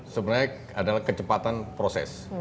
sebenarnya adalah kecepatan proses